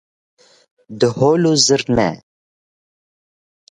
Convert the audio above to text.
Diholû zirna